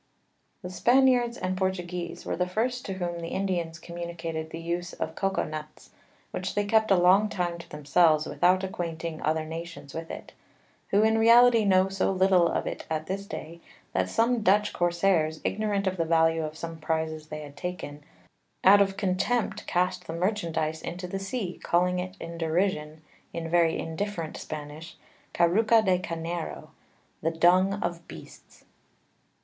The Spaniards and Portuguese were the first to whom the Indians communicated the Use of Cocao Nuts, which they kept a long time to themselves without acquainting other Nations with it; who in reality know so little of it at this day, that some Dutch Corsairs, ignorant of the Value of some Prizes they had taken, out of contempt cast the Merchandize into the Sea, calling it in derision, in very indifferent Spanish, _Cacura de Carnero_[p], The Dung of Beasts.